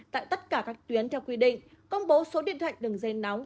tại tất cả các tuyến theo quy định công bố số điện thoại đường dây nóng